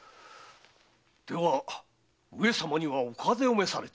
では上様にはお風邪を召されて？